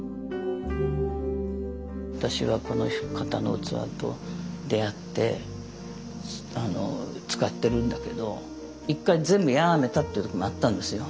私はこの方の器と出会って使ってるんだけど１回全部やめたって時もあったんですよ